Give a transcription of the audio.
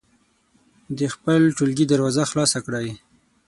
د خپل ټولګي دروازه خلاصه کړئ.